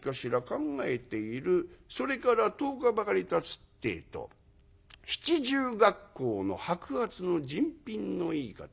考えているそれから１０日ばかりたつってえと七十恰好の白髪の人品のいい方。